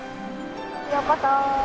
ようこそ。